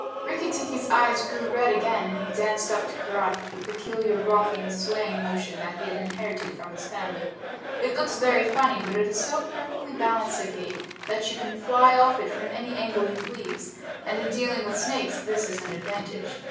Rikki tikki's eyes grew red again, and he danced up to Karait with the peculiar rocking, swaying motion that he had inherited from his family. It looks very funny, but it is so perfectly balanced a gait that you can fly off from it at any angle you please, and in dealing with snakes this is an advantage.